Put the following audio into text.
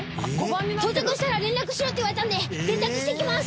到着したら連絡しろって言われたので連絡してきます。